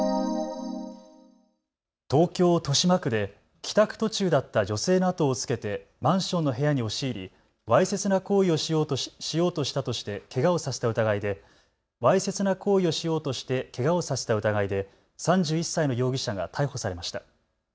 東京豊島区で帰宅途中だった女性の後をつけてマンションの部屋に押し入り、わいせつな行為をしようとしてけがをさせた疑いで３１歳の容疑者が逮捕されました。